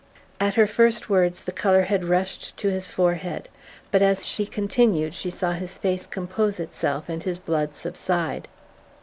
At her first words the colour had rushed to his forehead; but as she continued she saw his face compose itself and his blood subside.